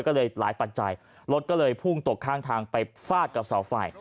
ก็เลยหลายปัจจัยรถก็เลยพุ่งตกข้างทางไปฟาดกับเสาไฟ